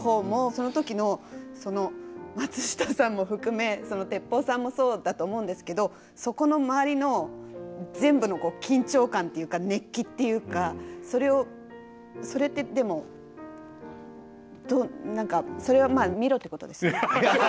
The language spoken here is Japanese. その時のその松下さんも含めてっぽうさんもそうだと思うんですけどそこの周りの全部のこう緊張感っていうか熱気っていうかそれをそれってでもどう何かそれはまあ見ろってことですね。